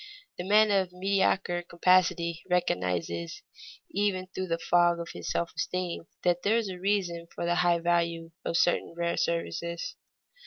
The man of mediocre capacity recognizes even through the fog of his self esteem that there is a reason for the high value of certain rare services.